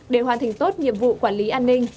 để hoàn thành tốt nhiệm vụ quản lý an ninh